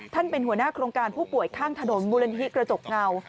เป็นหัวหน้าโครงการผู้ป่วยข้างถนนมูลนิธิกระจกเงา